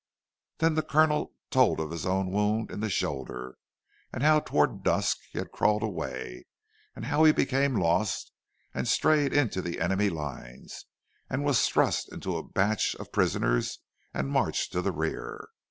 Then the Colonel told of his own wound in the shoulder, and how, toward dusk, he had crawled away; and how he became lost, and strayed into the enemy's line, and was thrust into a batch of prisoners and marched to the rear.